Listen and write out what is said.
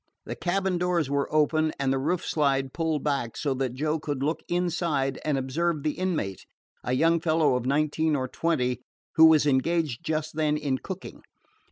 The cabin doors were open and the roof slide pulled back, so that Joe could look inside and observe the inmate, a young fellow of nineteen or twenty who was engaged just then in cooking.